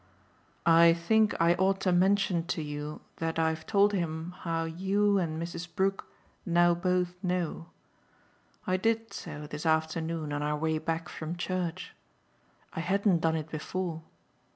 "I think I ought to mention to you that I've told him how you and Mrs. Brook now both know. I did so this afternoon on our way back from church I hadn't done it before.